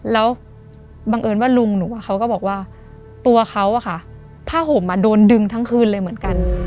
แล้วบังเอิญว่าลุงหนูเขาก็บอกว่าตัวเขาผ้าห่มโดนดึงทั้งคืนเลยเหมือนกัน